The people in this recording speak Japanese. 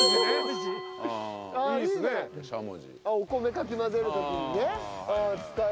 お米かき混ぜる時にね使える。